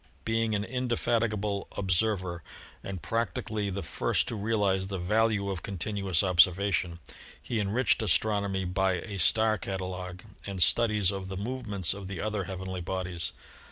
Being an indefatigable ob server and practically the first to realize the value of con THE SOLAR SYSTEM 73 tinuous observation, he enriched astronomy by a star catalogue and studies of the movements of the other heavenly bodies.